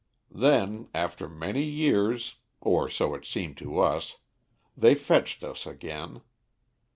"Then, after many years or so it seemed to us they fetched us again.